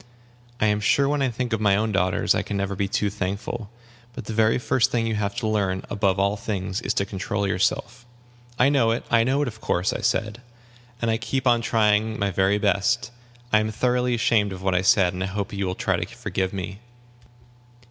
I am sure when I think of my own daughters I can never be too thankful. But the very first thing you have to learn, above all things, is to control yourself." "I know it I know it, of course," I said; "and I keep on trying my very best. I am thoroughly ashamed of what I said, and I hope you will try to forgive me."